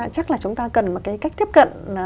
chắc là chúng ta cần một cái cách tiếp cận